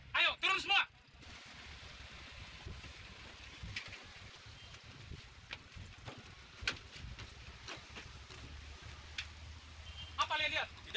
karena pergi begitu saja tanpa memberitahu adinda